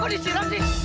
kok disiram sih